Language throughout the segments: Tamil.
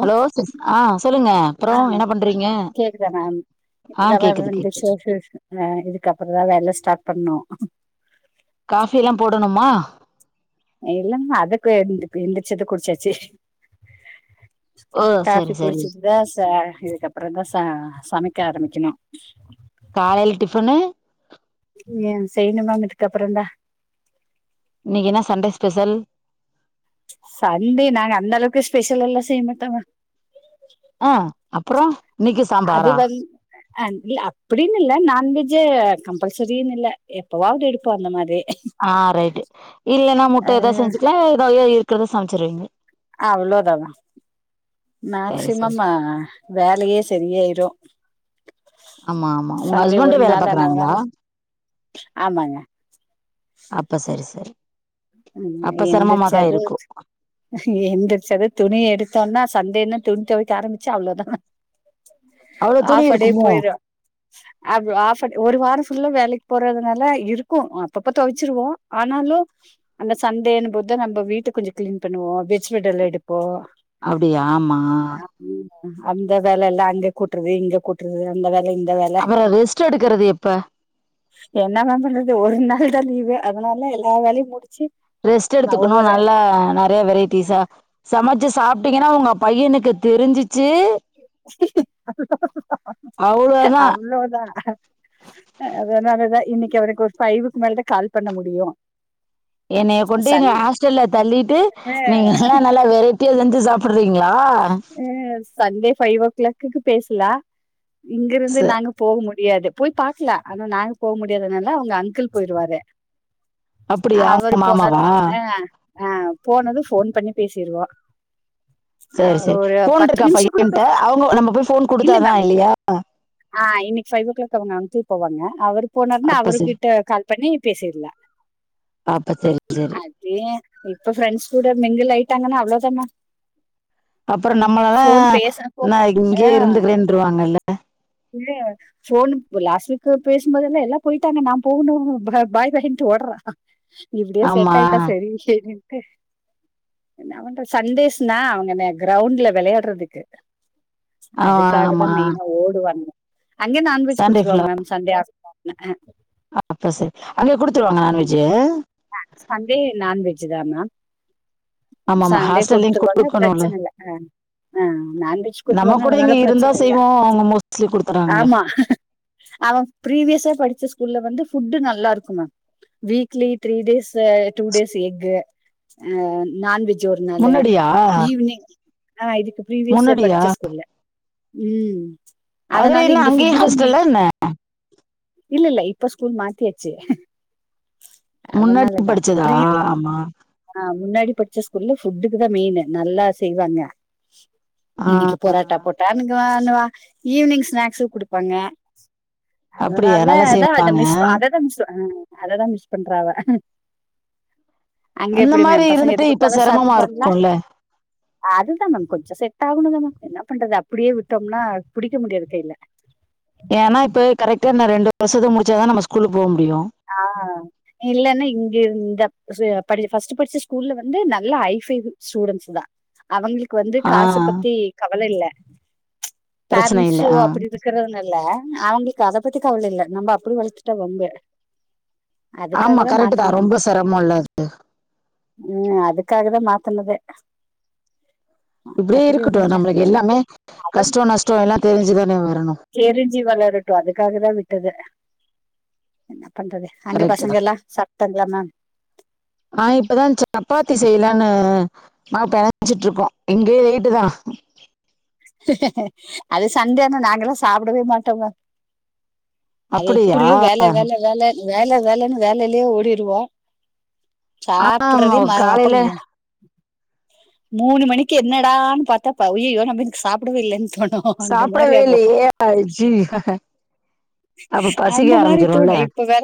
ஹலோ சிஸ் ஆ சொல்லுங்க அப்புறோ ஆ என்ன பண்றீங்க கேக்குதா மேம் ஆ இப்ப தா மேம் கேக்குது எந்ருச்ச கேக்குது [unintelligible] ஆ இதுக்கப்பற தா வேல ஸ்டார்ட் பண்ணு காஃபி எல்லா போடணுமா இல்லாமா அதுக்கு எந்துக்கு எந்திரிச்சது குட்ச்சாச்சு ஓ காஃபி சரி சரி குடிச்சிட்டு தா ச இதுக்கப்பறொ தா ச சமக்க ஆரம்பிக்கணு காலேல டிஃபனு ஏ செய்ணு மேம் இதுக்கப்பறொந்தா இன்னெக்கி என்ன சண்டே ஸ்பெஷல் சண்டே நாங்க அந்த அளவுக்கு ஸ்பெஷலா எல்லா செய் மாட்டாங்க ஆ அப்பறோ இன்னெக்கி ஸ் அது வன் அ இல்ல அப்பிடின்னு இல்ல நான் வெஜு கம்பல்சரின்னு இல்ல எப்பவாது எடுப்போ அந்த மாரி ஆ ரைட்டு இல்லன்னா முட்ட எதா செஞ்சுக்லா எதா எ இருக்குறத சமச்சுருவீங்க அவ்ளோ தாங்க சரி சரி மேக்சிமம் வேலயே செரி ஆயிரு ஆமா ஆமா உங்க ஒரு ஹஸ்பண்டு வேல நாள் ஆனா பாக்குறாங்களா அதனால ஆமாங்க அப்ப சரி சரி ம் அப்ப சிரமமாதா எந்திருச்சது இருக்கு எந்திருச்சது துணி எடுத்தோன்னா சண்டேன்னு துணி தொவக்க ஆரம்பிச்சா அவ்ளோதா மே அவ்ளோ துணி ஆஃப் அ டே இருக்குமோ போய்ரு அப் ஆஃப் அ ட் ஒரு வாரொ ஃபுல்லா வேலெக்கி போறதுனால இருக்கு அப்பப்ப தொவச்சிருவோ ஆனாலு அந்த சண்டேன்னு போது நம்ப வீட்டு கொஞ்சோ க்ளீன் பண்ணுவோ வெஜ் விடல் எடுப்போ அப்டியா ஆமா அந்த வேல எல்லா அங்க குட்றது இங்க குட்றது அந்த வேல இந்த வேல அப்பறோ ரெஸ்ட் எடுக்கறது எப்ப என்ன மேம் பண்றது ஒரு நாள் தா லீவு அதனால எல்லா வேலயு முடிச்சு ரெஸ்ட் நா எடுத்துக்கணு ஒவ்வொரு நல்லா நறையா வெரைட்டிஸா சமச்சு சாப்ட்டீங்கன்னா உங்க பையனுக்கு தெருஞ்சுச்சு அவ்ளோதா அவ்ளோதான் அவ்ளோதா அதனாலதா இன்னெக்கி அவருக்கு ஒரு ஃபைவுக்கு மேலதா கால் பண்ண முடியு என்னைய கொண்டுங்க சண்டே ஹாஸ்டல்ல தள்ளிட்டு நீங்க எல்லா நல்லா வெரைட்டியா செஞ்சு சாப்புட்றீங்களா அ சண்டே ஃபைவ் ஓ க்ளாக்கு பேசலா இங்க ச இருந்து நாங்க போக முடியாது போய் பாக்கலா ஆனா நாங்க போ முடியாதுனால அவ்ங்க அங்கிள் போயிருவாரு அப்டியா அவரு உங்க போனதா மாமாவா ஆ ஆ போனது ஃபோன் பண்ணி பேசீருவோ அ சரி சரி ஒரு ப ஃபோன் இருக்கா பையன்ட அவ்ங்க நம்ம போய் ஃபோன் குடுத்தாதா மேம் இல்லியா ஆ இன்னிக் ஃபைவ் ஓ க்ளாக் அவ்ங்க அங்கிள் போவாங்க அவரு போனார்னா அப்ப சரி அவருகிட்ட கால் பண்ணி பேசிர்லா ஆ அப்ப செரி செரி ஏ இப்ப ஃப்ரண்ட்ஸ் கூட மிங்குள் ஆயிட்டாங்கன்னா அவ்ளோதாமா அப்பறோ நம்மளல்லா பேசப்போ நா இங்கே இருந்துக்கிறேன்ருவாங்கல்ல உள்ளயா ஃபோன் பு லாஸ்ட் வீக்கு பேசும்போதெல்லா எல்லா போயிட்டாங்க நா போகுணு ப பாய் பாயின்ட்டு ஓடறா இப்டியே ஆமா செட் ஆயிட்டா செரி சேரின்ட்டு [unintelligible] சன்டேஸ்னா அவங்க என்ன க்ரௌண்ட்ல வெளையாட்றதுக்கு ஆ அதுக்காக தா ஆமா மெயினா ஓ அங்கயே நான்வெஜ் சண்டே குடுச்சுருவாங் மேம் சண்டே [inaudible] அ அ அப்ப செர் அங்கயே குடுத்துருவாங்க நான்வெஜ் அ சண்டே நான்வெஜ் தா மேம் ஆமாமா. சண்டே ஹாஸ்டல்லயும் குடுத்துருவாங்க குடுக்கணும்ல. பிரச்சன இல்ல அ அ நான்வெஜ் நம்ம குடுத்துருவாங்க கூட அதனால இங்க இருந்தா பிரச்சன இல்ல செய்வோம். அவங்க மோஸ்ட்லி குடுத்துறாங்கல்ல. ஆமா அவ ப்ரீவியஸா படிச்ச ஸ்கூல்ல வந்து ஃபுட்டு நல்லாருக்கு மேம் வீக்லி த்ரீ டேஸ் அ டூ டேஸ் எக்கு அ நான்வெஜ் ஜூ ஒருநாளு முன்னாடியா? ஈவினிங் ஆ இதுக்கு ஃபிரீவியஸா முன்னாடியா? படிச்ச ஸ்கூல்ல உம் அதுல அதனால என்ன இங்க ஃபுட்டு அங்கேயும் தா மெய் ஹாஸ்டல்லா என்ன? இல்லல்ல இப்ப ஸ்கூல் மாத்தியச்சு முன்னாடி படிச்சதா ப்ரீவி ஆமா ஆ முன்னாடி பட்ச்ச ஸ்கூல்ல ஃபுட்டுக்கு தா மெயினு நல்லா செய்வாங்க ஆ இன்னிக்கு பொராட்டா போட்டானுங்குவானுவ ஈவி்னிங் ஸ்நாக்ஸு குடுப்பாங்க அப்படியா? அதனால நல்லா அதா அத செய்வாங்க. மிஸ் அததா மிஸ் அ அததா மிஸ் பண்றா அவ அங்க அந்த எப்புடி மாரி மேம் பசங்க இருந்துட்டு எது இப்ப குடுத்தாலு சிரமமா சாப்ட்டுபாங்ளா இருக்கும்ல. அதுதா மேம் கொஞ்சோ செட் ஆகணுல்ல‌ மேம் என்ன பண்றது அப்புடியே விட்டோம்னா புடிக்க முடியாது கையில ஏன்னா இப்பவே கரெக்டா நா ரெண்டு வருஷத்த முடிச்சாதா நம்ம ஸ்கூலுக்கு போவ் முடியு ஆ இல்லன்னா இங்கேருந்து [unintelligible] சு படு ஃபஸ்ட் படிச்ச ஸ்கூல்ல வந்து நல்லா ஹைஃபைவு ஸ்டூடெண்ஸ் தா அவங்களுக்கு வந்து ஆ காச பத்தி கவல இல்ல பிரச்சனை இல்ல. பேரண்ட்ஸ்சு ஆ. அப்புடி [unintelligible] க்கிறதுனால்ல அவங்களுக்கு அத பத்தி கவல இல்ல நம்ப அப்புடி வளத்துட்டா வம்பு அதுக்காக ஆமா கரெட்டு தா மாத்தனது ரொம்ப செரமோல்ல அது உம் அதுக்காகதா மாத்தனதே இப்டியே இருக்கட்டு இல்ல நம்பளுக்கு எல்லாமே கஷ்டோ நஷ்டோ எல்லா தெரிஞ்சு தான வரணு தெரிஞ்சி வளரட்டு அதுக்காகதா விட்டதே என்ன பண்றது அங்க கரெக்ட் தான். பசங்கெல்லா சாப்ட்டாங்களா மேம் ஆ இப்பதா சப்பாத்தி செய்யலானு மாவு பெணைஞ்சிட்ருக்கோ இங்கயே லேட்டு தா அது சண்டேயான நாங்கல்லா சாப்டவே மாட்டேங்க அது அப்படியா எப்புடியு வேல வேல வேல வேல வேலன்னு வேலயிலே ஓடிடுவோ ஆமா சாப்புட்றதே ம அப்ப காலையில [unintelligible] மூணு மணிக்கு என்னடான் பாத்தா ப உய்யய்யோ நம்ம இன்கு சாப்டவே இல்லன் தோணு ஓ அந்த மாரி சாப்பிடவே ஆகு இல்லையே ஐயோ அப்ப பசிக்க அந்த மாரி ஆரம்பிச்சிரும்ல தோணு இப்ப வேற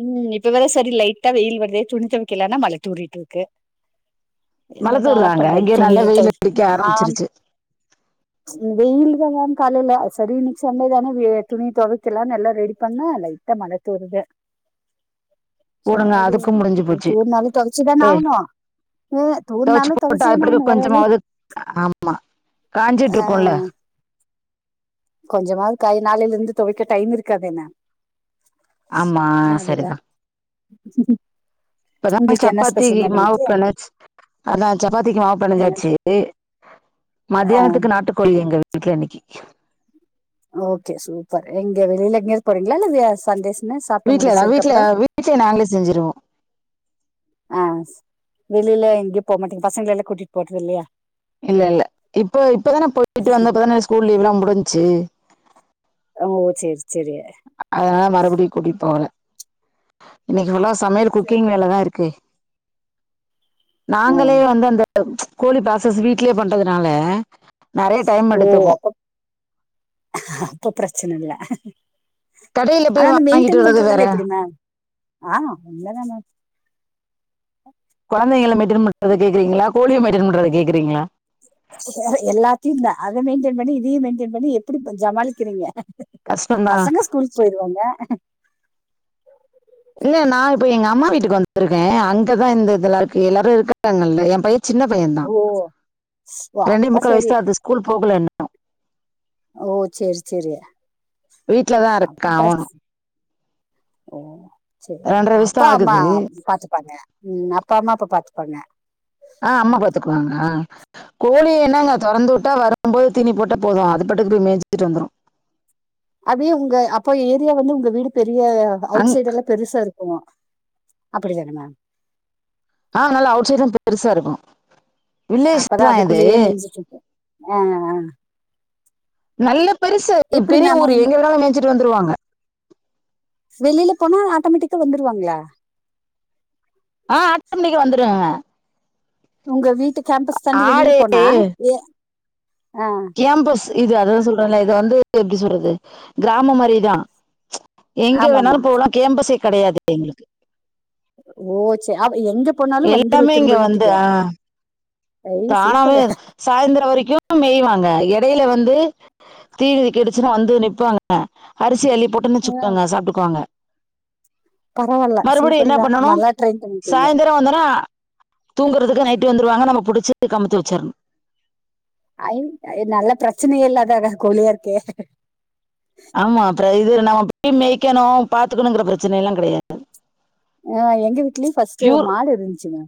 உம் இப்ப வேற சரி லைட்டா வெயில் வருதே துணி துவைக்கலானா மழ தூறிட்ருக்கு என்னதா மலத்தூர் தாங்க பண்றது இங்க நல்லா துணியு தொ வெயில் அடிக்க ஆம் ஆரம்பிச்சிருச்சு ம் வெயில் தா மேம் காலைல அ சரி இன்னிக்கு சண்டே தான வே துணி தொவைக்கலான் எல்லா ரெடி பண்ணா லைட்டா மழ தூருது போடுங்க சேரி அதுக்கும் முடிஞ்சு போச்சு தூர்நாலு தொவச்சுதான ஏய், ஆவ்னு ஒ துவைச்சு தூர்நாலு போட்டு அது தொவச்சுதான பிறகு ஆவ்னு வேற வழி கொஞ்சமாவது ஆமா ஆ காஞ்சிட்ருக்கோல்ல கொஞ்சமாவது காயு நாளேலருந்து தொவைக்க டைம் இருக்காத என்ன ஆமா அதுதா சரிதான் இப்பதா உங்களுக்கு என்ன ஸ்பெஷல் சப்பாத்திக்கு மேம் மாவு இன்னைக்கு பெணச் அதா சப்பாத்திக்கு மாவு பெணஞ்சாச்சு ஆ மத்தியானத்துக்கு நாட்டுக்கோழி எங்க வீட்ல இன்னைக்கி ஓகே சூப்பர் எங்க வெளியில எங்கயா போறீங்களா இல்ல சண்டேஷன்ன சாப்ட்டு முடிச்சதுக்கு அப்புற வீட்லயே நாங்களே செஞ்சுருவோ ஆ வெளியில எங்கயு போ மாட்டிங்க பசங்கல்லா கூட்டிட்டு போறது இல்லையா இல்ல இல்ல இப்ப இப்பதான போயிட்டு வந்தப்பதான ஸ்கூல் லீவல்லா முடிஞ்சு ஓ சரி சரி அதனால மறுபடியு கூட்டிடு போகல இன்னைக்கு எவ்ளவு சமையல் குக்கிங் வேலதா இருக்கு ஆ நாங்களே வந்து அந்த கோழி பிராசஸ் வீட்லயே பண்றதுனால நெறைய டைம் ஓ எடுத்துக்கு அப்பப் அப்ப பிரச்சன இல்ல கடையில ஆனா போய் அந்த வாங்கிட்டு மெயின்டென் வர்றது வேற பண்றதல்ல எப்படி மே ஆ உள்ளதான குழந்தைகள மெயின்டன் பன்றத கேக்குறீங்களா கோழிய மெயின்டன் பண்றத கேக்குறீங்களா எல்லாத்தையு தா அத மெயின்டென் பண்ணி இதையு மெயின்டென் பண்ணி எப்படி ஜமாளிக்கிறீங்க கஷ்டந்தா பசங்க ஸ்கூலுக் போயிருவாங்க இல்ல நா இப்ப எங்க அம்மா வீட்டுக்கு வந்திருக்கே அங்கதா இந்த இதெல்லா இருக்கு எல்லாரு இருக்காங்கள எ பைய சின்ன பையந்தா ஓ ஓ ரெண்டே அப்ப முக்கால் வயசு சரி தா ஆகுது ஸ்கூல் போகல இன்னு ஓ சரி சரி வீட்லதா அப்ப இருக்கா பிரச் அவனு ஓ சரி ரெண்டரை வயசுதா அப்பா அம்மா ஆகுது பாத்துப்பாங்க ம் அப்பா அம்மா அப்ப பாத்துப்பாங்க ஆ அம்மா பாத்துக்குவாங்க அ கோழி என்னங்க தொறந்து வுட்டா வர ரம்போது தீனி போது அத பாட்டுக் போய் மேஞ்சிட்டு வந்துரு அபி உங்க அப்போ ஏரியா வந்து உங்க வீடு பெரிய அவுட் அங் சைடு எல்லா பெருசா இருக்குமா அப்படியாங்க மேம் ஆ நல்லா அவுட் சைடுலா பெருசா இருக்கு அப்பதா அதுக்குள்ளேயே மேஞ்சுட்டு இருக்கு ஆ ஆ நல்ல பெருசு பெரிய ஊர் எங்க வேனாலு மேஞ்சிட்டு வந்துருவாங்க வெளில போனா ஆட்டோமேட்டிக்கா வந்துருவாங்களா ஆ ஆட்டோமெட்டிக்கா வந்துருவாங்க உங்க வீட்டு கேம்பஸ் தாண்டி வெளில ஆடு போனா ஏ ஆ கேம்பஸ் இது அததா சொல்றன்ல இத வந்து எப்டி சொல்றது கிராம மாரிதா எங்கே வேணாலு ஆமாமா போலா கேம்பசே கெடையாது எங்களுக்கு ஓ சே எங்க போனாலு வந்துரு எல்லாமே இங்க திரும்ப வந்து வீட்டுக்கு அ ஐ தானாவே சூப்பரு சாய்ந்தர வரைக்கு மேய்வாங்க எடையில வந்து திவிதி கேட்டுச்சுன்னா வந்து நிப்பாங்க அரிசி அள்ளி போட்டோன் ஆ வச்சுக்கோங்க சாப்ட்டுக்குவாங்க பரவால்ல மறுபடி சூப்பர் என்ன தா பண்ணணு நல்லா ட்ரெயின் பண்ணிருக்கீங்க சாயந்தர வந்தன தூங்கறதுக்கு நைட்டு வந்துருவாங்க நம்ம புடிச்ச கமத்தி வச்சிருணு அய் நல்ல பிரச்சனயே இல்லாத கோழியா இருக்கே ஆமா அப்ற இது நம்ம போய் மேய்க்கணு பாத்துக்கணுங்கிற பிரச்சன எல்லா கெடையாது ஆ எங்க வீட்டுலயு ஃபஸ்டு பியூர் மாடு இருந்துச்சுங்க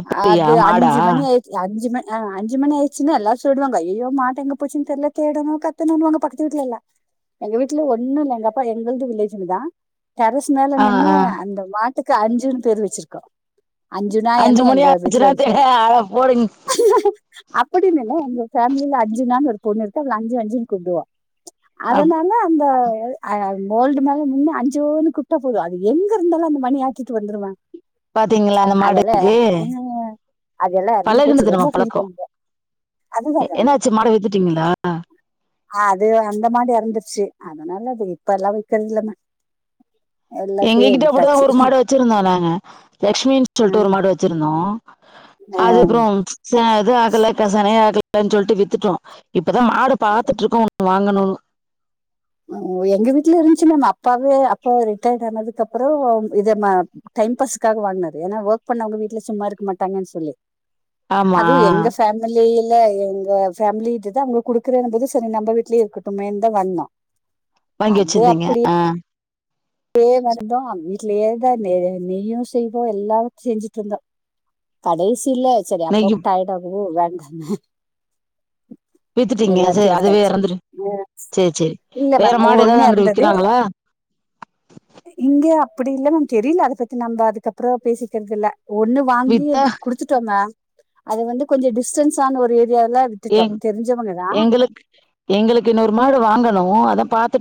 அப்படியா அது மாடா அஞ்சு மணி ஆயிச் அஞ்சு ம அஞ்சு மணியாயிச்சுனா எல்ல சொடுவாங்க ஐயயோ மாட்ட எங்க போச்சு தெரியில தேடனு ன்னேன் வாங்க பக்கத்து வீட்ல இல்ல எங்க வீட்ல ஒன்னு இல்ல எங்க அப்பா எங்கள்து வில்லேஜு தா டெரஸ் மேல ஆ நின்னு ஆ அந்த மாட்டுக்கு அஞ்சுன் பேர் வச்சிருக்கோ அஞ்சுனா அஞ்சு என்ன மணி எங்க வீட்ல ஆச்சுன்னா ஒரு போ தெரிய ஆள போடுங்க அப்டினு இல்ல எங்க ஃபேமில அஞ்சுனான் ஒரு பொண்ணு இருக்கு அவள அஞ்சு அஞ்சுன் கூப்டுவோ அப்- அதனால இந்த அ மோல்டு மேல நின்னு அஞ்சோன் குப்டா போது அது எங்க இருந்தாலு அந்த மணி ஆ க்கிட்டு வந்துருவே பாத்தீங்ளா அந்த மாடு அ [inaudible] அதெல்லா அருந்து போச்சு ரொம்ப நம்ம ஃபீல் பழக்கம் பண்றே என்னாச்சு மாட வித்துட்டீங்களா ஆ அது அந்த மாடு எறந்துருச்சி அதனால அது இப்பல்லா விக்கிறதி ல்லங்க எங்ககிட்டகூட ஒரு மாடு வச்சிருந்தோ நாங்க லக்ஷ்மின் சொல்ட்டு ஒரு ஆஹ் மாடு வச்சிருந்தோ அது அப்றோ இது ஆகல இப்ப செனயாக லைன் சொல்ட்டு வித்துட்டோ இப்பதா மாட பாத்துட்ருக்கோ ஒன்னு வாங்கணுனு அ எங்க வீட்ல இருந்துச்சு மேம் அப்பாவே அப்பா ரிட்டையர்டு ஆனதுக்கப்பறோ இது ம டைம் பாஸுக்காக வாங்கனது ஏன்னா ஒர்க் பண்ணவங்க வீட்ல சும்மா இருக்க மாட்டங்கன் சொல்லி ஆமா அதுவு எங்க ஃபேம் மிலில எங்க ஃபேமிலிட்டதா அவுங்க குடுக்குறேனு போது சரி நம்ம வீட்லயே இருக்கட்டுமேன் தா வாங்னோ வாங்கி வச்சிருந்தீங்க அ தே மாரிதா வீட்லயேதா நெ நெய்யு செய்வோ எல்லா செஞ்சிட்ருந்தோ கடைசில சரி இன்னைக்கு அப்பாக்கு டயடு ஆகு வேண்டான்னு வித்துட்டீங்க சரி எல்லாத்தையு அதுவே வித்தாச்சு இறந்துரு சரி சரி இல்ல வேற மேம் ஒ மாடு ஒண்ணு ஏதாவது அங்கிட்டு எறந்தது விக்கிறாங்களா இங்க அப்டி இல்ல மேம் தெரில அத பத்தி நம்ப அதுக்கப்றோ பேசிக்கறதில்ல ஒண்ணு வாங்கி வித்தா குடுத்துட்டோ மேம் அது வந்து கொஞ்ச டிஸ்டன்ஸ் ஆன ஒரு ஏரியால வி எங் எங்குளுக் எங்களுக்கு இன்னொரு மாடு வாங்கணு அதா பாத்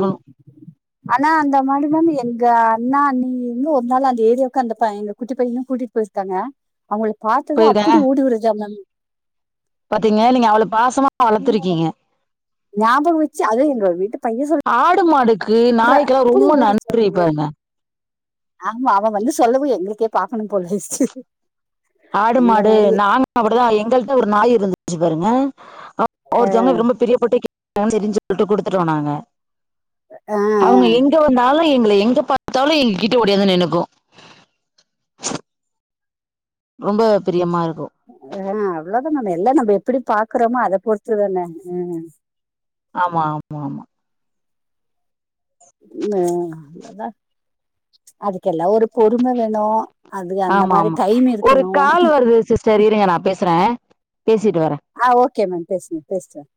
[inaudible] ஆனா அந்த மாடு மேம் எங்க அண்ணா அண்ணி இங்கு ஒரு நாள் அந்த ஏரியாக்கு அந்த பை எங்க குட்டி பைய கூட்டிட் போயிருக்காங்க அவுங்கள பாத்தது போயிருக்காங்க அப்டி ஓடிவருதா மேம் பாத்தீங்க நீங்க அவ்ளோ பாசமா வளத்துருக்கீங்க ஞாபகம் வச்சு அது எங்க வீட்டு பைய சொல் ஆடு மாடுக்கு நாய்க்கலா ரொம்ப ஓடிச்சு நன்றி பாருங்க ஆமா அவ வந்து சொல்லவு எங்களுக்கே பாக்கணு போல ஆயிரிச்சு ஆடு மாடு நாங்க அப்டிதா எங்கள்ட்ட ஒரு நாயிருந்துச்சு பாருங்க [inaudible] ஆஹ் ஒருத்தவங்க ரொம்ப பிரியபட்டு [inaudible] தெரிஞ்ச [inaudible] கிட்ட குடுத்துட்டோ நாங்க அவுங்க ஆஹ் எங்க வந்தாலு எங்கள எங்க பாத்தாலு எங்க கிட்ட ஒடியாந்து நின்னுக்கு ரொம்ப பிரியமாருக்கு அ அவ்ளோ தா நம்ம எல்லா நம்ப எப்படி பாக்கறமோ அத பொறுத்துதான ம் ஆமா ஆமா ஆமா ம் அவ்ளோதா அதுக்கெல்லா ஒரு பொறும வேணு ஆமாமா ஒரு கால் வருது சிஸ்டர் இருங்க நா பேசுறே பேசிட்டு வரே அ ஓக்கே மேம் பேசுங்க பேஸ்ட்டு